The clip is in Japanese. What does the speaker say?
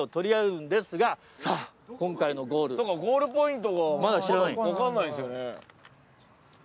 そうかゴールポイントがまだわからないんですよね。